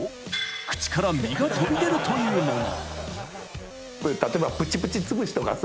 ［口から身が飛び出るというもの］